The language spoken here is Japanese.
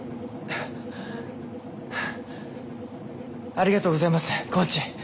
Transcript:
ありがとうございますコーチ！